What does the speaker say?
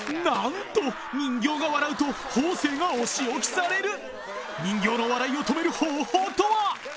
なんと人形が笑うと方正がお仕置きされる人形の笑いを止める方法とは？